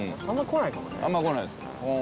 あんま来ないですか。